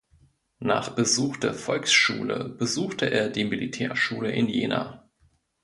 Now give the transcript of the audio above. Nach Besuch der Volksschule besuchte er die Militärschule in Jena.